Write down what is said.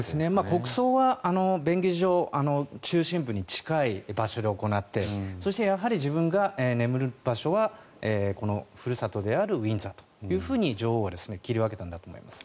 国葬は便宜上中心部に近い場所で行ってそしてやはり自分が眠る場所はこの故郷であるウィンザーというふうに女王は切り分けたんだと思います。